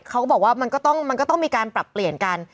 เขาก็บอกว่ามันก็ต้องมีการปรับเปลี่ยนกัน